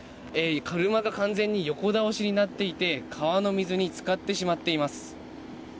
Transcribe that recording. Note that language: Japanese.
車が完全に横倒しになっていて川の水に漬かってしまっています。